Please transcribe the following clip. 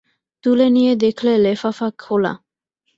তুলে নিয়ে দেখলে লেফাফা খোলা।